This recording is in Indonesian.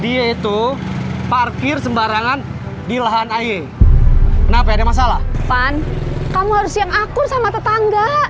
dia itu parkir sembarangan di lahan aye kenapa ada masalah pan kamu harus yang akur sama tetangga